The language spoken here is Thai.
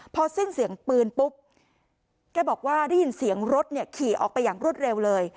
พอสิ้นเสียงปืนปุ๊บแกบอกว่าได้ยินเสียงรถเนี่ยขี่ออกไปอย่างรวดเร็วเลย